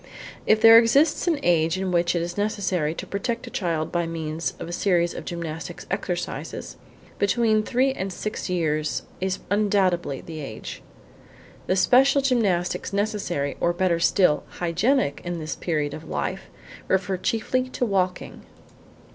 If there exists an age in which it is necessary to protect a child by means of a series of gymnastic exercises, between three and six years is undoubtedly the age. The special gymnastics necessary, or, better still, hygienic, in this period of life, refer chiefly to walking.